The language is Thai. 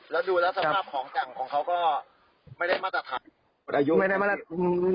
แล้วดูแล้วสภาพของแต่งของเขาก็ไม่ได้มาตรฐาน